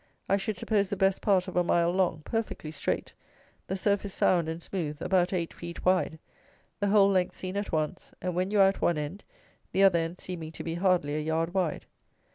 I should suppose the best part of a mile long, perfectly straight, the surface sound and smooth, about eight feet wide, the whole length seen at once, and, when you are at one end, the other end seeming to be hardly a yard wide.